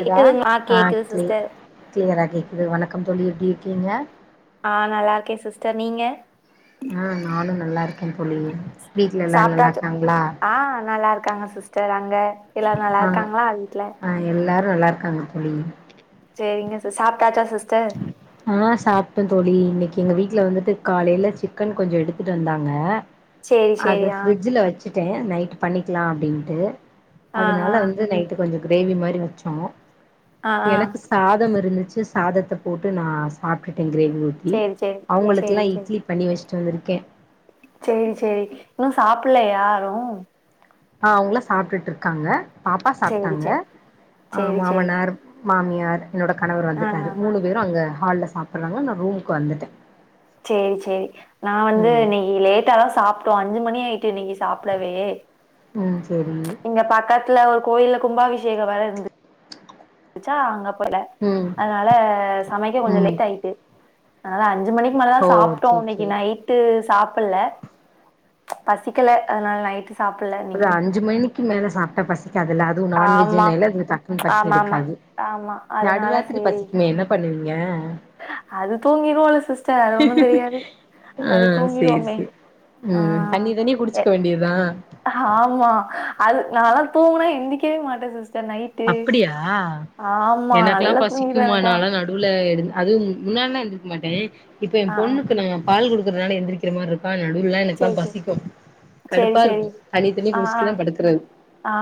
க்குதா ஆ கேக்குது சிஸ்டர் க்ளியரா கேக்குது வணக்கம் தோழி எப்டி இருக்கீங்க ஆ நல்லா இருக்கே சிஸ்டர் நீங்க ஆ நானு நல்லா இருக்கே தோழி வீட்ல எல்லாரு நல்லா சாப்ட்டாச் இருக்காங்களா ஆ நல்லா இருக்காங்க சிஸ்டர் அங்க எல்லாரு நல்லா இருக்காங்களா வீட்ல ரு நல்லா இருக்காங்க தோழி சேரிங்க சிஸ் சாப் ஆ சாப்ட தோழி இன்னைக் கி எங்க வீட்டில வந்துட்டு காலைல சிக்கன் கொஞ்சம் எடுத்துட்டு வந்தாங்க சேரி சேரி ஆ ட்டே நைட் பண்ணிக்கலா அப்டின்ட்டு ஆ அதனால ஆ வந்து நைட்டு கொஞ்சம் கிரேவி மாரி வச்சோ ஆ ஆ எனக்கு சாதம் இருந்து ச்சி சாதத்த போட்டு நா சாப்டு டே கிரேவி ஊத்தி சேரி சேரி சேரி அவங்களுக்குல்லா சேரி இட்லி பண்ணி வச்சு ட்டு வந்துருக்கே சேரி சேரி இன்னு சாப்புட்ல யாரும் ஆ அவங்கல்லா சாப்ட்டுட்டு இருக்காங்க பாப்பா சேரி சாப்ட்டாங்க சேரி ஆ சேரி சேரி மாமனார் மாமியார் என்னோட கணவர் ஆ வந்துட்டாரு ஆ மூணு பேரும் அங்க ஹால்ல சாப்புட்றாங்க நா ரூமுக்கு வந்துட்டே சேரி சேரி நா வந்து ம் இன்னைக்கி லேட்ட தா சாப்ட்டோ அஞ்சு மணியாயி ட்டு இன்னைக்கு சாப்டவே ம் சேரி த்துல ஒரு கோயில்ல கும்பாபிஷேகம் வேர இருந்து ச்சா அங்க போன ம் அதனால சமைக்க கொஞ்சம் ம் லேட் ஆயிட்டு அதனால அஞ்ச மணிக்கு மேலதா ஓ சாப்பிட்டோம் சேரி இன்னைக்கி சேரி நைட்டு சாப் புட்ல்ல பசிக்கல அதனால நைட் ஒரு அஞ்சு மணிக்கு மேல சாப்ட்டா பசிக்காது இல்ல அதுவு நான்வெஜீ ஆமா இன்னைல டக்குன்னு பசி ஆமா ஆமா எடுக்காது ஆமா அதனால நடுராத்திரி சேரி பசிக்குமே என்ன பண்ணுவீ ஏ அது தூங்கிருவோல சிஸ்டர் அது ஒண்ணு தெரியாது அது ஆ சரி தூங்கிருவோமே சரி ஆ ம் தண்ணி தணிய எ குடிச்சுக்க வேண்டியதா ஆமா அது நால்லா தூங்குனா எந்திக்கவே மாட்டே சிஸ் அப்படியா ஆமா எனக்கெல்லா நல்லா தூங்கிருவே பசிக்கும்மா எனக்கெல்லா நால்லா நடுவுல எழுந் அதுவு முன்னால்லா ஏந்திரிக்க மாட்டே இப்ப ஆ என் ஆ பொண்ணுக்கு நாங்க பால் குடு அதனால எந்திரிக்கிற மாருக்க சரி சரி சரி கடுப்பா சரி இருக்கு தண்ணி தண்ணி அ குடிச்சிட்டுதா படுக்கறது ஆ ஆ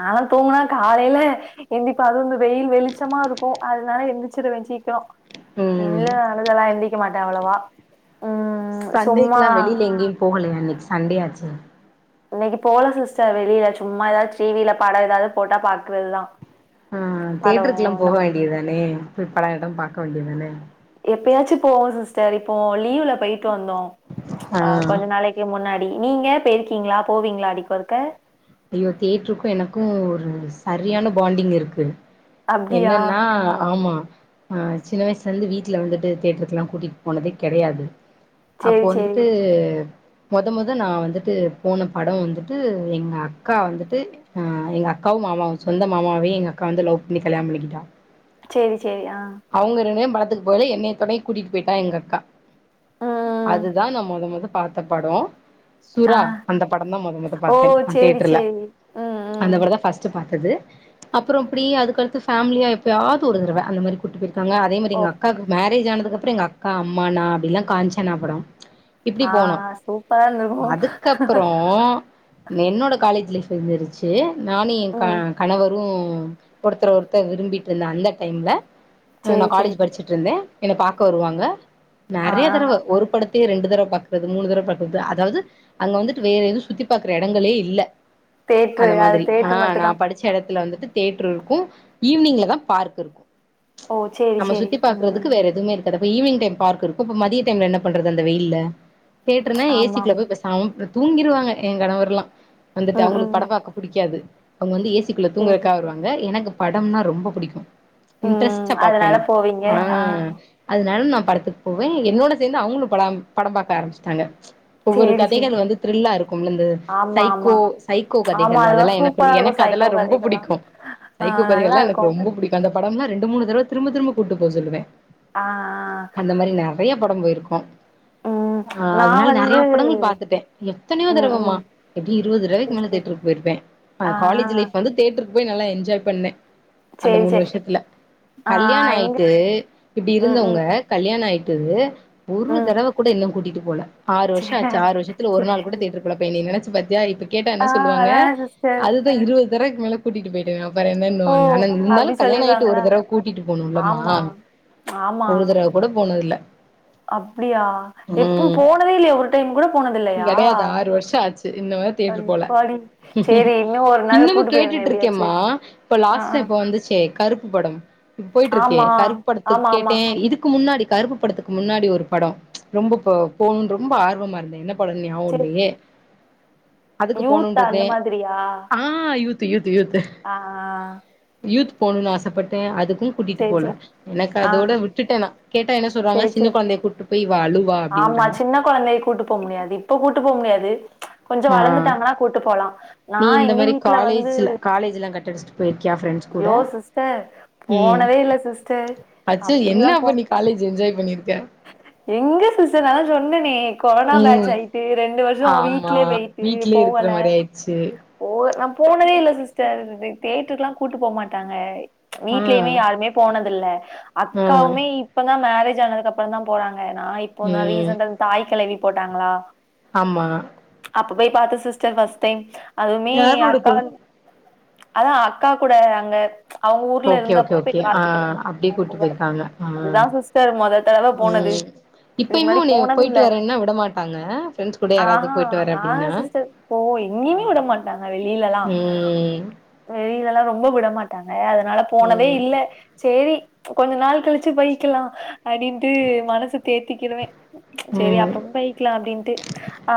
நாலா தூங்கினா காலைய்ல ஏந்திரிப்பே அது இந்த வெயில் வெளிச்சமா இருக்கு அதனால எந்திரிச்சிருவே சீக்கிர ம் இல்ல அழுகலா எந்தி க்க மாட்டே அவ்வளவா ம் சும்மா சண்டேக்கலா வெளியில எங்கியு போகலைய இன்னைக்கு சண்டே ஆச்சே இன்னைக்கு போல சிஸ்டர் வெளியில சும்மா ஏதாவது டி வில பட ஏதாவது போட்டா பாக்குறதுதா ஆ படோ தேட்டருக்கு எல்லா இந்த போக மாரி வேண்டியதுதானே படகடம் பாக் க்க வேண்டியதானே எப்பயாச்சு போவோ சிஸ் சரி இப்போ லீவ்ல போயிட் ட்டு வந்தோ ஆ கொஞ்ச நாளைக்கு முன்னாடி நீங்க பேய்ருக்கீங்களா போவீங்களா அடிக்கொருக்க ஐயோ தேட்ருக்கு எனக்கு ஒரு சரியான பாண்டிங் இருக்கு அப்டியா என்னன்னா ஆமா ஆ சின்ன வயசுலந்து வீட்டுல வந்துட்டு தேட்ருக்கெல்லா கூட்டிட்டு போனதே கெடையாது அப்போ சேரி சேரி வந்துட்டு மொத மொத நா வந்துட்டு போன பட வந்துட்டு எங்க அக் அக்கா வந்துட்டு ஆ எங்க அக்காவு மாமாவு சொந்த மாமாவையே எங்க அக்கா வந்து லவ் பண்ணி கல்யாண பண்ணிக்கிட்டா சரி அவங்க ரென ப அதுக்கு போல என்னைய தொனைக்கி கூட்டிட்டு போயிட்டா எங்க அக்கா ம் அதுதா நா மொத மொத பார்த்த படோ ஆ சுரா அந்த படந்தா மொத மொத ஓ பாத்தே சேரி தியட்டர்ல சேரி ம் அந்த ம் படந்தா பர்ஸ்ட்டு பாத் தது அப்புற அப்டி அதுக்கலத்து பேமிலியா எப்பயாவது ஒருதறவ அந்த மாரி ங்க அதே மாதி ஓ எங்க அக்காக்கு மேரேஜ் [unintelligible] ஆனதுக்கப்பறோ எங்க அக்கா அம்மா நா அப்படில்லா காஞ்சனா படோ இப்டி ஆ போனோ சூப்பரா இருந்திருக்கு அதுக்கப்புற என்னோட காலேஜ் லைப் [unintelligible] நானு எ க கணவரு ம் ஒருத்தர ஒருத்தர் விரும்பிட்ருந்த அந்த டைம்ல அ நா சேரி சேரி காலேஜ் படிச்சுட்ருந்தே என்ன பாக்க வருவாங்க ஆ நெறைய ஆ தடவ ஒரு படத் தே ரெண்டு தடவ பாக்கற்து மூணு தடவ பாக்கற்து அதாவ்து அங்க வந்துட்டு வேற எது சுத்தி பாக்குற எடங்களே இல்ல தேட்ரு அந்த அது மாதிரி அ தேட்ரு நா மட்டுந்தா படிச்ச எடத்துல வந் து தேட்ரு இருக்கு ஈவினிங்ல தா பார்க்கிருக்கு ச்ச் ஓ சேரி நம்ம சேரி சுத்தி ம் பாக்றதுக்கு ம் வேற எதுமே இருக் காத் இப்ப ஈவினிங் டைம் பார்க்கிருக்கு இப்ப மதிய டைம்ல என்ன பண்றது அந்த வெயில்ல தேட்ருனா ஆமா ஏசிக்குள்ள ஆமா போய் பெசா தூங்கிருவாங்க எ கணவர்லா வந்துட்டு ம் அவுங்குளுக் ம் படோ பாக்க புடிக்காது அவுங்க வந்து ஏ சி குள்ள சேரி தூங்கரக்கா சேரி வருவாங்க எனக்கு படம்னா ரொம்போ புடிக்கு ம் இன்ட்ரெஸ்ட்டா ச்ச் அதனால போவீங்க அ னால் நா படத்துக் போவே என்னோட சேந்து அவுங்குளு படம் படம் பாக்க ஆரம்பிஷ்டாங்க ஒவ்வொரு சேரி சேரி கதைகள் வந்து த்ரில்லா இருக்கு இந்த ஆமா ஆமா சைகோ சைகோ ஆமா கதைகள் அதெல்லா எனக்கு சூப்பரா இருக்கு எனக்கு சைக்கோ அதெல்லா ரொம்ப கதைகள்லா புடிக்கு ஆ சைகோ நல்லா கதைகள்லா இருக்கு எனக்கு ரொம்ப புடிக்கு அந்த படம் னா ரெண்டு மூணு தர திரும்ப திரும்ப கூப்ட்டு போ சொல்லுவே ஆ அந்த மாரி நறைய படம் போயிருக்கோ ஆ ம் ஆ நா அதனால வந்து நறைய படங்கள் பாத்துட்டே எத்தனையோ ம் தரவமா ம் எப்டி இருவது தரடவைக்கு சேரி மேல சேரி தேட்டருக்கு போயிருப்பே ஆ காலேஜ் ஆ லைஃப் வந்து தேட்டரு இப் போய் நல்லா என்ஜாய் பண்ணே அந்த சேரி மூணு சேரி வருஷத்துல ஆ கல்யாண இங்க ஆயிட்டு இப்படி ம் ம் இருந்தவங்க கல்யா கல்யாண ஆயிட்டது ஒரு ம் தடவ கூட இன்னு கூட்டிட்டு போல ஆறு வருஷ சேரி ஆச்சு ஆறு வருஷத்துல ஒரு நாள் கூட சேரி தேட்ருக்கள்ளப்ப போய் நீ நனச் வத்தியாயத் கேட்டா என்ன ஆ சொல்லுவாங்க அதா சிஸ்டர் அதுதா இருவ தக்கு மேல கூட்டிட்டு போயிடு [unintelligible] வேற ஓ என்னன்னுவாங்க ஆனா இந்தாலு அப்டி கல்யாண ஆயிட்டு ஒரு சொல்லிருவாங்களா தரவ கூட்டிட்டு போனும்ல மா ஆமா ஆமா ஒரு தடவ கூட போ [unintelligible] தில்ல அப்டியா எப்போ போனதே இல்லையே ஒரு டைம் கூட போனது இல்லையா கெடையாது ஆறு வருஷோ ஆச்சு இன்ன வர அ தேட்டர் போல எப்பாடி சரி இன்னு ஒரு நாள் இன்னமு கூட்டு போயிருங்க கேட்டுட்டு எப்படியாச்சு இருக்கேம்மா இப்ப ஆ ஆ லாஸ்ட்டா இப்ப வந்துச்சே கருப்பு படம் இப் போயிட்ருக்கே ஆமா கருப் படத்து ஆமா ஆமா கேட்டே இதுக்கு முன்னாடி கருப்பு படத்துக்கு முன்னாடி ஒரு படொ ரொம்ப போ போணுன் ரொம்ப ஆர்வமாருந்தே என்ன ன‌ படம்னு ஞாபக சேரி இல்லயே அதுக்கு யூத்தா போணுன்ருந்தே அந்த மாதிரியா ஆ தேட் யூத்து ஆ ஆ யூத் போணும்னு ஆசைப்பட்டே அது ம் கூட்டிட்டு சேரி போல சேரி எனக்கு ஆ அதோட விட்டுட்டே ந கேட்டா என்ன சொல்றாங்க சேரி சின்ன சேரி குழந்தைய கூட்டி போய் இவ அழுவா ஆமா அப்படின்றாங்க சின்ன து கொஞ்சோ வளந்துட்டாங்னா கூட்டு போலா நா நீ இந்த எங்க மாரி வீட்ல வந்து காலேஜ்ல காலேஜ்லா கட் அடிச்சுட்டு போயிருக்கியா ஃப்ரெண்ட்ஸ் கூட ஐயோ சிஸ்டர் ம் போனவே இல்ல சிஸ்டர் அப்படிலா போ பண்ணிருக்கே எங்க சிஸ்ஸர் அதா சொன்னனே கொரோனா பாட்ச் ம் ஆயிட்டு ரெண்டு வருஷோ ஆமா வீட்லே போய்ட்டு வீட்லயே இருக்கிற போவல மாரி ஆயிடுச்சு போல நா போனதே இல்ல சிஸ்டர் இ தேட்ருக்ல்லா கூட்டுப் போக் மாட்டாங்க ச்ச் ஆ வீட்லயுமே யாருமே போன தில்ல ஆ அக்காவுமே இப்பதா மேரேஜ் ஆனதுக்கப் பறந்தா போறாங் அ நா இப்போ [unintelligible] ரீசென்ட்டா தாய்க்கெழவி போட்டாங்ளா ஆம்மா அப்ப போய் பாத்தே சிஸ்டர் ஃபஸ் டைம் அதுவுமே யாரோட அக்கா போற [inaudible] அதா அக்காக் கூட அங்க அவங்க ஊர்ல ஓகே ஓகே இருந்தப்ப ஓகே போய் ஆ பாத்துட்டு வந்த அப்டியே கூட்டு [unintelligible] போயிருக்காங்க ஆ அதுதா சிஸ்டர் மொத தரவ போனது ம் இதுக்கு இப்பயுமே முன்னாடி உன்னைய போயிட்டு போனதுல்ல வரேன்னா விட மாட்டாங்க ஃப்ரெண்ட்ஸ் கூட ஆ யாராவது ஹா போயிட்டு வரே ஆ அப்டின்னா சிஸ்டர் போ எங்கிமே விட மாட்டாங்க வெளிலலா ம் வெளிலலா ரொம்ப விட மாட்டாங்க ஏ அதனால போனதே ம் இல்ல சேரி கொஞ்ச நாள் கழிச்சு போயிக்கலா அடின்ட்டு மனச தேத்திக்கிருவே சேரி ம் அப்றம் பேய்க்கலா அப்டின்ட்டு ஆ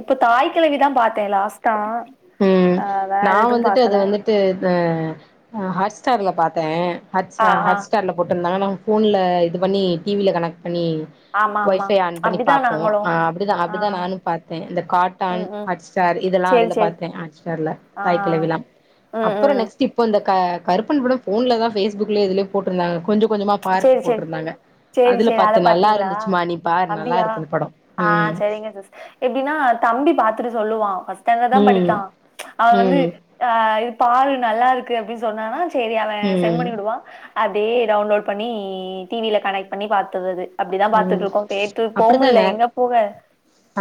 இப்ப தாய் கெழவிதா பாத்தே லாஸ்ட்டா ம் ஆ வேற நா எதுவு வந்துட்டு அது பாக்கல வந்துட்டு த ஆ ஹாட் ஸ்டார்ல பாத்தே ஆ ஹாட்ஸா ஆ ஹாட் ஸ்டார்ல போட்ருந்தாங்க நா ஃபோன்ல இது பண்ணி டிவி ய கனெக்ட் பண்ணி ஆமா ஒய் ஆமா ஃபை ஆன் பண்ணி அப்டிதா பாப்போ நாங்களு அ அப்டி தா ஆ அப்டிதா நானு பாத்தே இந்த காட்டான் ம் ம் ஹட் ஸ்டார் இதெல்லா சேரி அதுல சேரி பாத் ஹாட்ஸ்டார்ல ஆ தாய்கிழவிலா ம் அப்றம் ம் நெக்ஸ்ட் இப்ப இந்த க கருப்பன் படம் ஃபோன்ல தா ஃபேஸ் புக்லயோ எதுலியோ போட்ருந்தாங்க சேரி சேரி சேரி அதுல சேரி அத பாத்தே நல்லா பாத்தீங்ளா இருந்துச்சுமா நீ பாரு நல்லா அப்டியா இருக்கு இந்த படோ ஆ ம் சரிங்க சிஸ் எப்டினா தம்பி பாத்துட்டு சொல்லுவா ஃபஸ் ஸ்டண்டர்ட் தா ம் படிக்கா அவ வந்து ம் அ பாரு நல்லாருக்கு அப்டின் சொன்னானா சேரி அவ சென்ட் பண்ணி ம் விடுவா அதே டவுண்லோட் பண்ணி டிவில கனெக்ட் பண்ணி பாத்தது அது ம் அப்டித்தா நா எங்க போக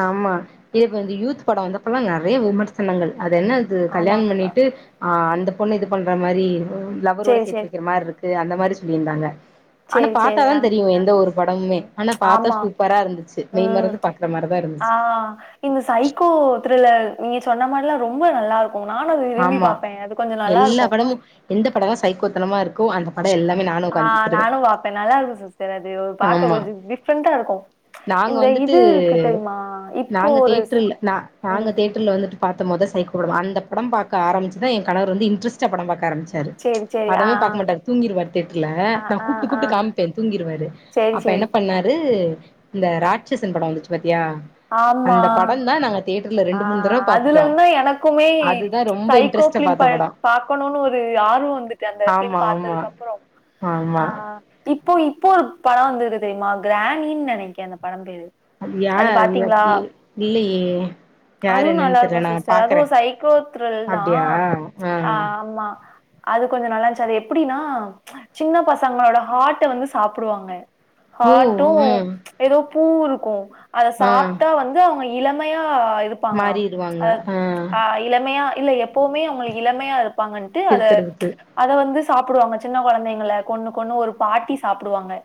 ஆமா இதுக் வந்து யூத் படம் வந்தப்பல்லா நறைய விமர்சனங்கள் அது என்ன அது ஆமா கல்யாண் ஆமா பண்ணிட்டு ஆ அந் த பொண்ணு இது பண்ற மாரி லவ்வரோட சேரி சேத்து சேரி வைக்கிற மார்ருக்கு அந்த மாரி சொல்லிந்தாங்க ஆனா சேரி சேரி பாத்தாதா ஆ தெரியு எந்த ஒரு ப [unintelligible] ஆனா பாத்தா ஆமா சூப்பராருந்துச்சு மெய் ம். மறந்து பாக்ற மாரிதா ஆ இருந்துச்சு இந்த சைக்கோ [unintelligible] நீங்க சொன்ன மாதிரிலா ரொம்ப நல்லாருக்கு ஆமா எல்லா இருக்கும். படமு எந்த படலா சைக்கோத்தனமாருக்கு கோ அந்த ப ஆ நானும் பாப்பேன் நல்லா இருக்கும் சிஸ்டர் அது பாக்க ஆமா கொஞ்சம் டிஃப்ரெண்டா இருக்கும் நாங்க இந்த வந்துட்டு இது இருக்கு தெரியுமா இப்போ நாங்க ஒரு ஸ் ம் பாத்தும் மொத சைக்குடுமா அந்த படம் பாக்க ஆரம்பிச்சிதா என் கணவர் வந்து இன்ட்ரஸ்டா படம் பாக் ஆரம்பிச்சாரு சேரி, சேரி. ஆ, படமே பாக்க மாட்டார் தூங்கிருவாரு தியேட்டர்ல ஆ. ஆ, நா ஆ, கூப்ட்டு ஆ. கூப்ட்டு காமிப்பே தூங்கிருவாரு சேரி, அப்ப என்ன சேரி. பண்ணாரு இந்த ராட்சசன் படம் வந்துச்சு பாத் த்தியா ஆமா. அந்த படோ தா நாங்க தேட்டர்ல ஆ ரெண்டு மூணு தடவ அதுல பாத்துட்டோ இருந்து எனக்குமே மே அதுதா ரொம்ப சைகோ இன்ட்ரெஸ்ட்டா ஃபிலிம் பாத்த பை படோ பாக்கணோன்னு ஒரு ஆர்வம் வந்துட்டு அந்த ஃபிலிம் ஆமா ஆமா பாத்ததுக்கப்புறோ ஆ ஆமா இப் இப்போ இப்போ ஒரு படோ வந்தது தெரியுமா கிராணின்னு நெனைக்கே அந்த படம் பேரு அதுயா அது எப்டி இல்லையே யார் அதுவும் நல்லா என்னன்னு தெர்ல இருக்கும் நா சிஸ்டர் பாக்குறே அதுவும் சைக்கோ த்ரில் தா அப்டியா ஆ ஆமா அது கொஞ்சோ நல்லா இந்ச்சு அது எப்புடின்னா சின்ன பசங்களோட ஹாரட்ட வந்து சாப்புடுவாங்க ஓ ஹர்ட்டும் ம் ஏதோ ப்பூ இருக்கும் அத ஆ சாப்ட்டா வந்து அவங்க இளமையா ப்பாங்களாம் அ ஆ இளமையா இல்லல எப்போமே அவங்களுக்கு இளமையா இரு ப்பாங்கன்ட்டு அத இருக்கறதுக்கு அத வந்து சாப்புடுவாங்க சின்ன கொழந்தைங்கள கொண்ணு கொண்ணு ஒரு பாட்டி சாப்புடுவாங்க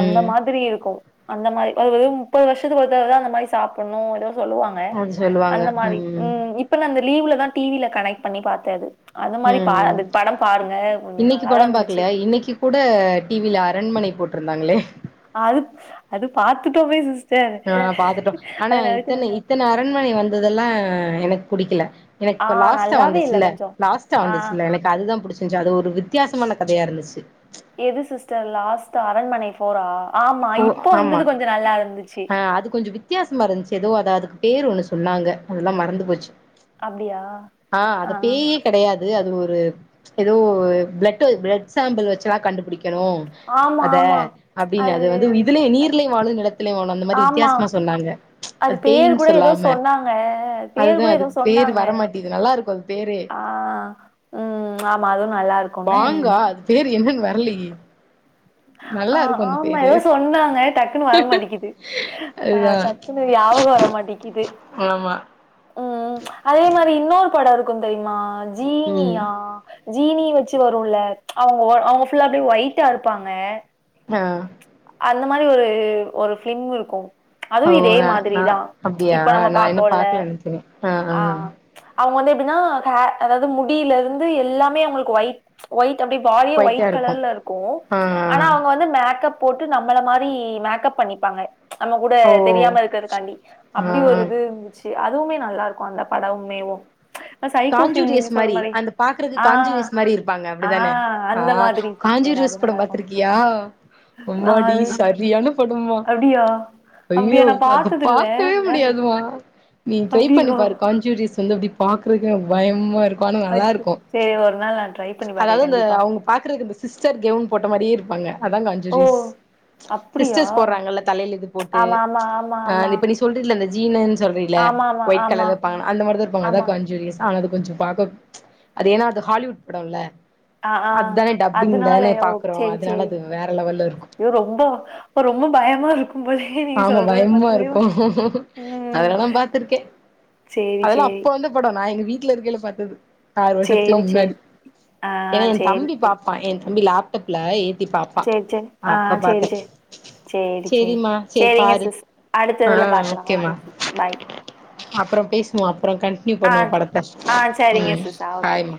அந்த மாதுரி இருக்கும் அந்த மாரி ஒரு முப்பது வருஷத்துக்கு ஒரு தடவ தா அந்த மாரி சாப்புட்ணும் ஏதோ சொல்லுவாங்க அது சொல்லுவாங்க அந்த மாரி ம் இப்ப நா அந்த லீவுல தா டி வில கனெக்ட் பண்ணி பாத்தே அது அந்த மாரி பா ம் அந்த படம் பாருங்க கொஞ்சோ இன்னைக்கி நல்லாதா படம் இருந்துச்சு பாக்குலயா இன்னைக்கி கூட டி வில ஆ கண்மணி போட்ருந்தாங்களே அதுப் அது பாத் த்துடோமே சிஸ் ஆ பாத்துட்டோம் ஆனா இத்தன பாத்துட்டோ இத்தன அரண்மனை வந்ததெல்லா எனக்கு புடிக்கில எனக்கு ஆ இப்ப லாஸ்ட்டா நல்லாவே இல்ல வந்துச்சுல்ல கொஞ்சோ லாஸ்ட்டா ஆ வந்துச்சுல்ல எனக்கு அதுதா புடிச்சிருந்துச்சு அது ஒரு வித்தியாசமான கதையா இருந்துச்சு போறா போ ஆமா ஆஹ் அது கொஞ்சம் வித்தியாசமா இருந்துச்சு ஏதோ அத அதுக்கு பேரு ஒண்ணு சொன்னாங்க அதெல்லாம் மறந்து போச்சு அப்டியா ஆஹ் ஆ அத பேயே கிடையாது அது ஒரு ஏதோ பிளட் பிளட் சாம்பிள் வச்சல்லாம் கண்டுபிடிக்க ணும் ஆமா அத ஆமா அப்படின்னு அது வந்து இதுலயே அது- நீர்ல வாழும் நிலத்தில வாழும் அந்த மாதிரி ஆமா வித்தியாசமா சொன்னாங்க அது பேர் பேயின் கூட ஏதோ சொல்லாம சொன்னாங்க அது பேர் அதுதான் கூட அது ஏதோ பேரு சொன்னாங்க வரமாட்டேது நல்லா இருக்கும் அது பேரு ஆ ம் ஆமா அதுவு நல்லா இருக்குன்னு பாங்கா பேரு என்னன்ன வரலியே ஆஹ் ஆமா ஏதோ சொன்னாங்க டக்குன்னு வர மாட்டேங்குது ஆஹ் அதுதா டக்குன்னு ஞாபகம் வரமாட்டேங்கிது ஆமா உம் அதே மாதிரி இன்னொரு படம் வெந்தயமாள் ம் ஜீனியா ஜீனிய வச்சு வரும்ல அவங்க அவங்க ஃபுல்லா அப்படியே ஒயி்டா அருப்பாங்க அ ஆஹ் அந்த மாதிரி ஒரு ஒரு பிலிம் இருக்கும் ஓ நான் அப்படியா இப்ப நம்ம நான் இன்னும் பாக்கோல்ல பாக்கல நினச்சே ஆஹ்ஹ் னாஹ அதாவது முடியில இருந்து எல்லாமே அவங்களுக்கு ஒயிட் ஒயிட் அப்படி பாடியே போயிட்டே ஒயிட் இருக்கு கலர்ல இருக்கும் ஆ ஆனா அவங்க வந்து மேக்கப் போட்டு நம்மள மாதிரி மேக்கப் பண்ணிப்பாங்க நம்ம கூட ஓ தெரியாம இருக்கிறதுக்காண்டி ஆ அப்படி ஆ ஒரு இது இருந்துச்சு அதுவுமே நல்லா இருக்கும் அந்த படமுமேவும். காஞ்சூரியஸ் மாதிரி அந்த பாக்குறக்கு ஆ காஞ்சூரியஸ் மாதிரி இருப்பாங்க. ஆ அப்படிதானே அந்த ஆஹ் மாதிரி சிஸ்டர் அது காஞ்சூரியஸ் நல்லா படம் இருக்கு பாத்துருக்கியா? ஆ அம்மாடி அது சரியான படம்மா, அப்டியா அப்டியா அய்யோ நா அத பாத்ததில்ல பாக்கவே அதா கேக் முடியாதுமா நீ ட்ரை பண்ணி அப்டியா பாரு காஞ்சூரியஸ் வந்து அப்படி பாக் பயமா இருக் அச்சச் சேரி ஒரு நாள் ட்ரை பண்ணி அதாவது பாக்குறே இந்த கண்டிப்பா அவுங்க பாக்குறக்கு இந்த சிஸ்டர் கெவுன் போட்ட மாரியே இருப்பாங்க. அதான் ஓ காண்ஜூரிஸ், அப்டியா சிஸ்டர்ஸ் போடுறாங்கல்ல தலையில இது போட்டு் ஆமா ஆமா ஆமா இப்ப நீ சொல்ரில்ல ஜீனன் சொல்றீல ஆமா ஆமா ஆமா ஒயிட் கலர் ஆமா இருப்பாங்கன்னு, அந்த மாதிரிதான் இருபாங்க ஆமா அதான் காண்ஜூரிஸ். கொஞ்சம் பார்க்க அது ஏன்னா அது ஹாலிவுட் படம்ல்ல ஆ ஆ அத்தானே டப்பிங் தானே அதனாலயோ பாக்குறோம், சேரி அதனால சேரி அது வேற லெவல்ல இருக்கும். ஐயோ ரொம்ப ரொம்ப பயமா இருக்கும் போலயே நீங்க ஆமா சொல்றத பயமா பாத்தாலே இருக்கும், ம் அதெலா நான் பாத்திருக்கேன் சேரி அதெல்லாம் சேரி அப்ப வந்து படம் நான் எங்க வீ வீட்ல இருக்கயில பாத்தது ஆறு வர்ஷத்துக்லா சேரி சேரி முன்னாடி ஆ ஏன்னா ஏ சேரி தம்பி சேரி பாப்பான் என் தம்பி லேப்டாப்ல ஏத் சேரி சேரி ஆ சேரி சேரி சேரி சேரி சேரிம்மா சேரி சேரிங்க பாரு சிஸ் ஆ அடுத்ததுல பாக்கலா ஓகே ஓகேம்மா சிஸ் ஃபாய் அப்புறம் பேசுவோம் அப்புறம் கண்டினியூ ஆ பண்ணுவோம் படத்த ஆ சேரிங்க ம் சிஸ் ஓக்கே பாய்மா